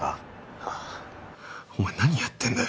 ☎ああお前何やってんだよ